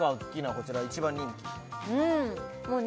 こちら一番人気もうね